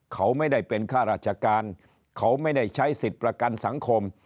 เขาไม่ได้เป็นข้าราชการเขาไม่ได้ใช้สิทธิ์ประกันสังคม